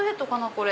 これ。